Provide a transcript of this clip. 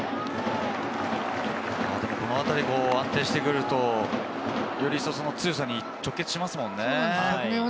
このあたり安定してくると、より強さに直結しますよね。